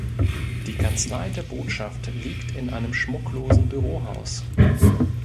Die Kanzlei der Botschaft liegt in einem schmucklosen Bürohaus.